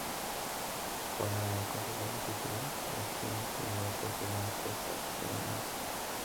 Para conservar el título, Alekhine tendría que hacer un esfuerzo fenomenal.